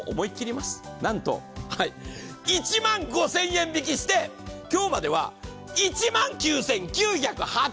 なんと１万５０００円引きして今日までは１万９９８０円。